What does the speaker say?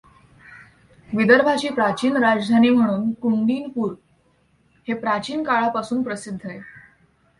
विदर्भाची प्राचीन राजधानी म्हणून कुंडीनपूर हे प्राचीन काळापासून प्रसिद्ध आहे.